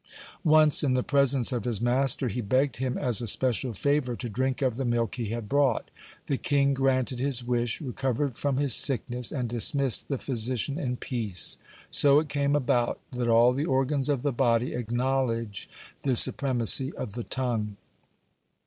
Once in the presence of his master, he begged him as a special favor to drink of the milk he had brought. The king granted his wish, recovered from his sickness, and dismissed the physician in peace. So it came about that all the organs of the body acknowledge the supremacy of the tongue.